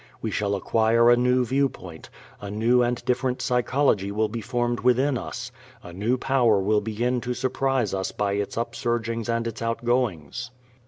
We shall acquire a new viewpoint; a new and different psychology will be formed within us; a new power will begin to surprise us by its upsurgings and its outgoings.